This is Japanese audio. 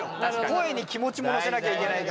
声に気持ちも乗せなきゃいけないから。